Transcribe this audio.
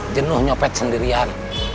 jenuh nyopet sendirian